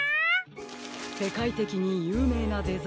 せかいてきにゆうめいなデザイナーですね。